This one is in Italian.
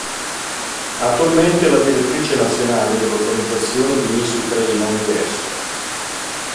Attualmente è la direttrice nazionale dell'organizzazione di Miss Ucraina Universo.